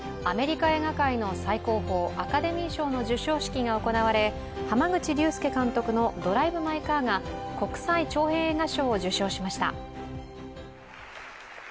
アメリカ映画界の最高峰、アカデミー賞の授賞式が行われ、濱口竜介監督の「ドライブ・マイ・カー」が国際長編映画賞を受賞しました。